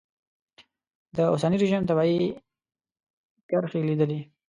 د اوسني رژیم تباهي کرښې لیدلې.